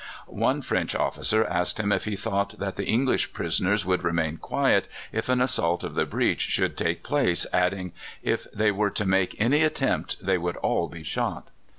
One French officer asked him if he thought that the English prisoners would remain quiet if an assault of the breach should take place, adding, "If they were to make any attempt they would all be shot."